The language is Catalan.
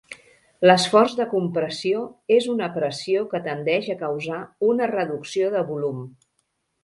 L'esforç de compressió és una pressió que tendeix a causar una reducció de volum.